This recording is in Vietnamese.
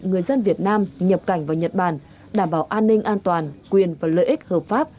người dân việt nam nhập cảnh vào nhật bản đảm bảo an ninh an toàn quyền và lợi ích hợp pháp